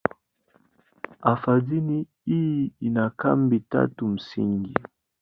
Hifadhi hii ina kambi tatu msingi.